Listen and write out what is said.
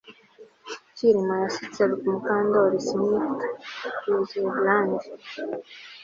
Kirima yasutse Mukandoli snifter yuzuye brandi